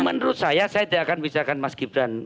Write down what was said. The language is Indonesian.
menurut saya saya tidak akan bicarakan mas gibran